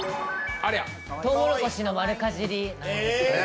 とうもろこしの丸かじり。